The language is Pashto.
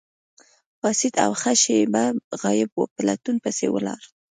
پاڅید او ښه شیبه غایب وو، په لټون پسې ولاړ.